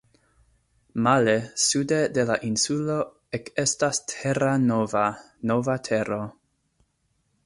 Male, sude de la insulo ekestas terra nova, nova tero.